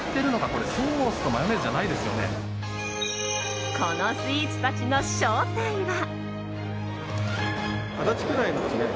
このスイーツたちの正体は。